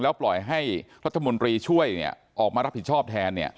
ปล่อยให้รัฐมนตรีช่วยออกมารับผิดชอบแทน